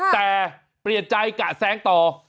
แต่เปลี่ยนใจกะแซงต่อ